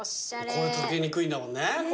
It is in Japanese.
これ溶けにくいんだもんね。